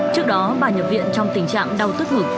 trước đó bà nhập viện trong tình trạng đau tức ngực